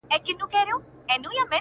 اې د دوو سترگو ښايسته قدم اخله!!